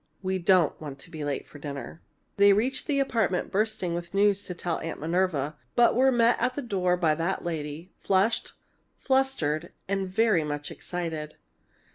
We don't want to be late to dinner." They reached the apartment, bursting with news to tell Aunt Minerva, but were met at the door by that lady, flushed, flustered, and very much excited.